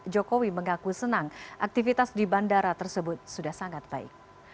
jokowi mengaku senang aktivitas di bandara tersebut sudah sangat baik